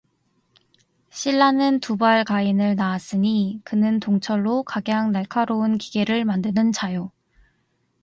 씰라는 두발가인을 낳았으니 그는 동철로 각양 날카로운 기계를 만드는 자요